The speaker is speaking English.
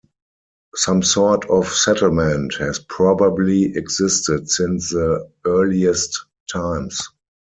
Some sort of settlement has probably existed since the earliest times.